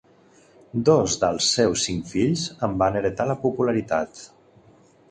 Dos dels seus cinc fills en van heretar la popularitat.